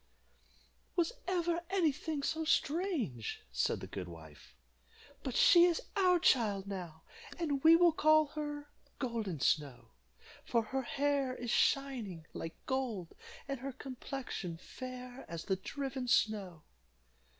"Was ever any thing so strange?" said the good wife. "But she is our child now, and we will call her Golden Snow, for her hair is shining like gold, and her complexion fair as the driven snow."